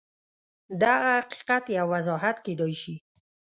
دغه حقیقت یو وضاحت کېدای شي